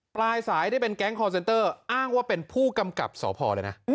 ปลายสายที่เป็นแก๊งคอร์เซนเตอร์อ้างว่าเป็นผู้กำกับสพเลยนะ